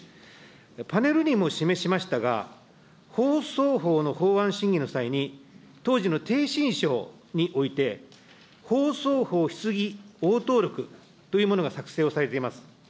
パネルにも示しましたが、放送法の法案審議の際に、当時の逓信省において、放送法質疑応答録というものが作成をされています。